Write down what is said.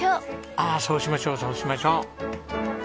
ああそうしましょうそうしましょう！